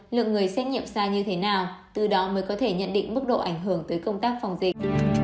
lượng người xét nghiệm sai như thế nào từ đó mới có thể nhận định mức độ ảnh hưởng tới công tác phòng dịch